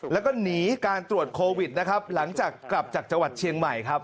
แล้วก็หนีการตรวจโควิดนะครับหลังจากกลับจากจังหวัดเชียงใหม่ครับ